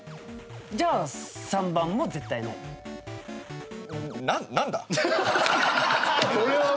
じゃあ３番も絶対ない